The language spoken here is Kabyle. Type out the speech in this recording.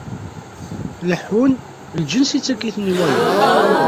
Leḥḥun, lǧens ittak-iten i wayeḍ.